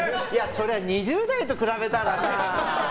そりゃ２０代と比べたらさ。